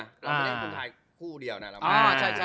แล้ววันนี้คุณถ่ายคู่เดียวนะ